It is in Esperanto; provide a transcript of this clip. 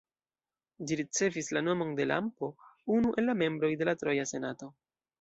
Ĝi ricevis la nomon de Lampo, unu el la membroj de la troja senato.